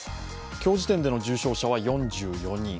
今日時点での重症者は４４人。